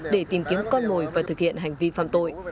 để tìm kiếm con mồi và thực hiện hành vi phạm tội